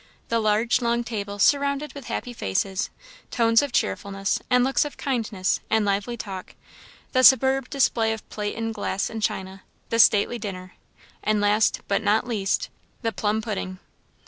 The large long table surrounded with happy faces; tones of cheerfulness, and looks of kindness, and lively talk; the superb display of plate and glass and china; the stately dinner; and last, but not least, the plum pudding.